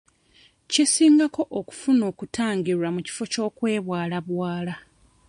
Kisingako okufuna okutangirwa mu kifo ky'okwebwalabwala.